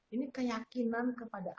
ini keyakinan kepada allah